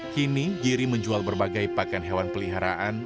kini giri menjual berbagai pakan hewan peliharaan